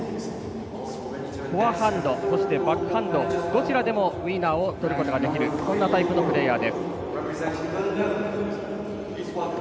フォアハンドそしてバックハンドどちらでもウイナーをとることができるそんなタイプのプレーヤー。